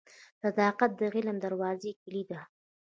• صداقت د علم د دروازې کلید دی.